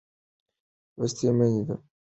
لوستې میندې د ماشوم پر روزنه باور لري.